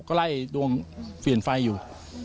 ก็ไล่ดวงฝีนไฟอยู่